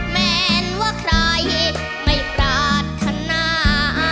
แม้ว่าใครไม่กลับทางหน้า